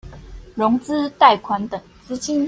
融資貸款等資金